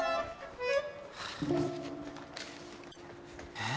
えっ？